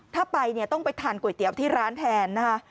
ถ้าไปเนี่ยต้องไปทานก๋วยเตี๋ยวที่ร้านแทนนะคะ